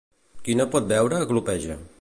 Qui no pot beure, glopeja.